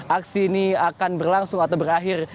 aksi ini akan berlangsung atau berakhir